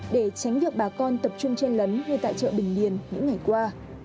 để tránh việc bà con tập trung chênh lấn ngay tại chợ bình liên những ngày qua